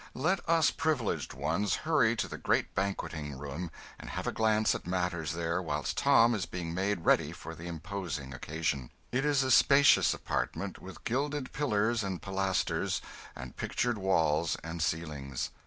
Let us privileged ones hurry to the great banqueting room and have a glance at matters there whilst Tom is being made ready for the imposing occasion. It is a spacious apartment, with gilded pillars and pilasters, and pictured walls and ceilings.